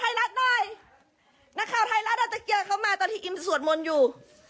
ไทยรัฐหน่อยนักข่าวไทยรัฐอาจจะเจอเขามาตอนที่อิมสวดมนต์อยู่